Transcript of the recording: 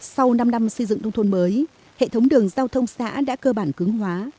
sau năm năm xây dựng nông thôn mới hệ thống đường giao thông xã đã cơ bản cứng hóa